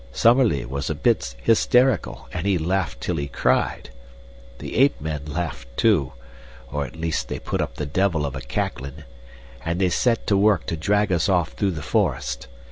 Summerlee was a bit hysterical, and he laughed till he cried. The ape men laughed too or at least they put up the devil of a cacklin' and they set to work to drag us off through the forest.